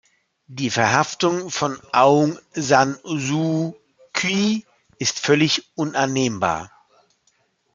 Die Verhaftung von Aung San Suu Kyi ist völlig unannehmbar.